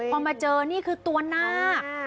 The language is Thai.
พอมาเจอนี่คือตัวนาค